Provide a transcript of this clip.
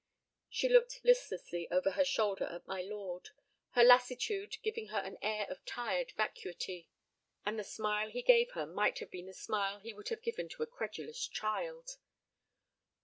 She looked listlessly over her shoulder at my lord, her lassitude giving her an air of tired vacuity. And the smile he gave her might have been the smile he would have given to a credulous child.